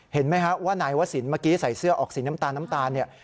เห็นไหมครับว่านายวศิลป์เมื่อกี้ใส่เสื้อออกสีน้ำตาล